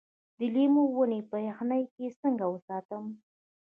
د لیمو ونې په یخنۍ کې څنګه وساتم؟